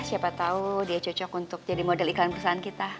siapa tahu dia cocok untuk jadi model iklan perusahaan kita